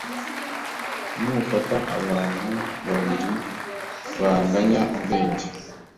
Nufata abantu babiri banganya ubwenge